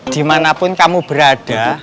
dimanapun kamu berada